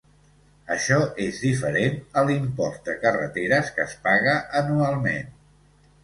Això és diferent a l'impost de carreteres que es paga anualment.